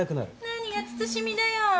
何が慎みだよ。